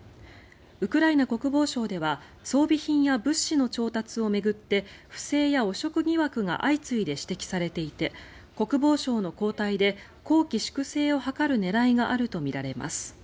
ウクライナ国防省では装備品や物資の調達を巡って不正や汚職疑惑が相次いで指摘されていて国防相の交代で綱紀粛正を図る狙いがあるとみられます。